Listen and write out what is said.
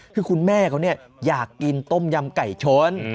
คือคุณแม่เขาอยากกินต้มยำไก่ชน